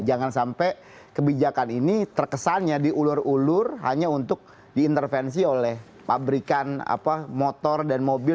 jangan sampai kebijakan ini terkesannya diulur ulur hanya untuk diintervensi oleh pabrikan motor dan mobil